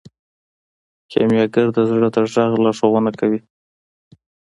کیمیاګر د زړه د غږ لارښوونه کوي.